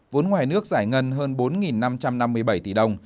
vốn ngoài nước giải ngân hơn bốn năm trăm năm mươi bảy tỷ đồng